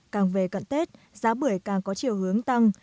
càng về cận tết giá bưởi càng có chiều hướng tăng